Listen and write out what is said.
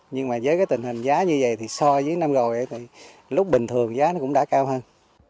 nhưng mà với cái tình hình giá như vậy thì so với năm rồi thì lúc bình thường giá nó cũng đã cao hơn